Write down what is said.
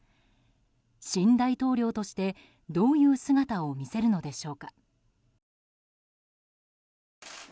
新大統領として、どういう姿を見せるのでしょうか。